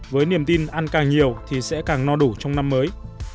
với niềm tin ăn càng nhiều thì sẽ càng no đủ trong năm mới